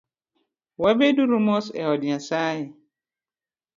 Wabed uru mos eod Nyasaye